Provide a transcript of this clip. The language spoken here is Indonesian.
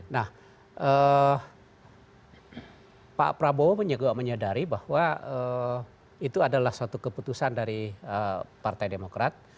nah pak prabowo juga menyadari bahwa itu adalah suatu keputusan dari partai demokrat